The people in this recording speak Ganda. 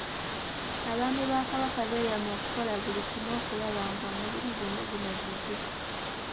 Abaami ba Kabaka beeyama okukola buli kimu okulaba ng'omulimu guno gumalirizibwa.